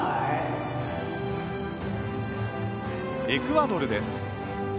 エクアドルです。